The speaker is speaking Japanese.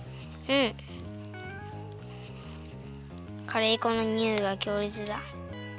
カレー粉のにおいがきょうれつだ。